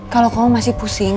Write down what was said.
kalau kamu masih pusing